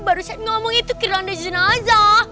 baru saya ngomong itu kirana jenazah